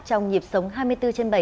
trong dịp sống hai mươi bốn trên bảy